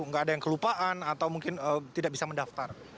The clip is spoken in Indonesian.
nggak ada yang kelupaan atau mungkin tidak bisa mendaftar